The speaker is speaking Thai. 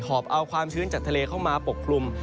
อบเอาความชื้นจากทะเลเข้ามาปกคลุม